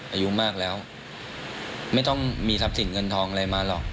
อายุมากแล้วไม่ต้องมีทรัพย์สินเงินทองอะไรมาหรอก